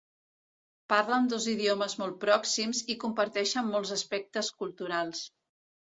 Parlen dos idiomes molt pròxims i comparteixen molts aspectes culturals.